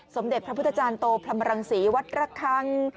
สมเด็จพระพุทธจารย์โตพรรมรังศรีวัดระคัง